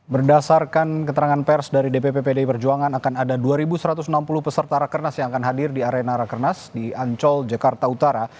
berdasarkan keterangan pers dari dpp pdi perjuangan akan ada dua satu ratus enam puluh peserta rakernas yang akan hadir di arena rakernas di ancol jakarta utara